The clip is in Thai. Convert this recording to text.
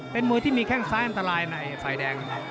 เป็นมือที่มีแค่งซ้ายอันตรายในไฟแดง